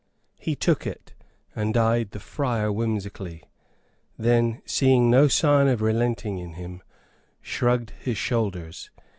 He took it, and eyed the friar whimsically; then, seeing no sign of relenting in him, shrugged his shoulders.